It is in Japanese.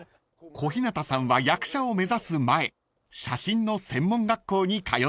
［小日向さんは役者を目指す前写真の専門学校に通っていたんです］